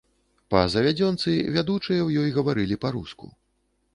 Па завядзёнцы, вядучыя ў ёй гаварылі па-руску.